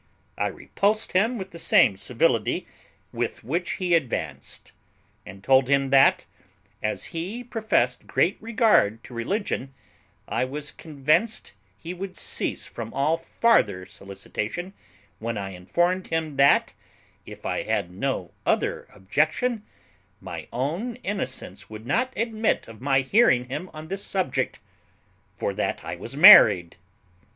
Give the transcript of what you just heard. I repulsed him with the same civility with which he advanced; and told him that, as he professed great regard to religion, I was convinced he would cease from all farther solicitation when I informed him that, if I had no other objection, my own innocence would not admit of my hearing him on this subject, for that I was married.